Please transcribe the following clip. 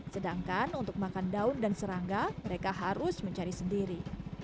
sedangkan untuk makan daun dan serangga mereka harus mencari sendiri